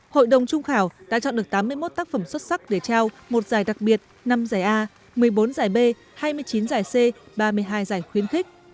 hội đồng trung khảo đã chọn được tám mươi một tác phẩm xuất sắc để trao một giải đặc biệt năm giải a một mươi bốn giải b hai mươi chín giải c ba mươi hai giải khuyến khích